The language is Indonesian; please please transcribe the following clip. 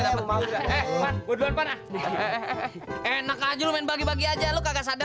sampai jumpa di video selanjutnya